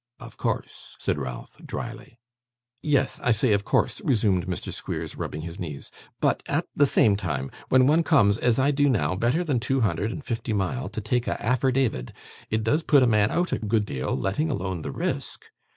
'Of course,' said Ralph, drily. 'Yes, I say of course,' resumed Mr. Squeers, rubbing his knees, 'but at the same time, when one comes, as I do now, better than two hundred and fifty mile to take a afferdavid, it does put a man out a good deal, letting alone the risk.